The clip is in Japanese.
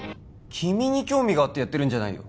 君に興味があってやってるんじゃないよ